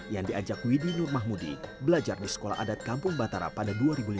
yang diajak widi nur mahmudi belajar di sekolah adat kampung batara pada dua ribu lima belas